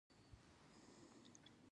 د پیتالوژي علم د نسجونه لولي.